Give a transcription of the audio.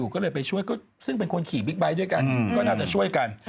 ก็ต้องช่วยกัน